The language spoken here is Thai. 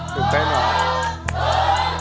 ตื่นเต้นเหรอ